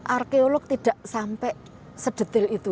arkeolog tidak sampai sedetil itu